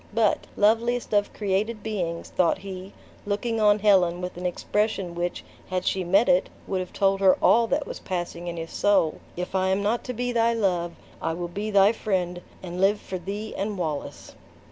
But, loveliest of created beings," thought he, looking on Helen with an expression which, had she met it, would have told her all that was passing in his soul, "if I am not to be thy love, I will be thy friend and live for thee and Wallace!"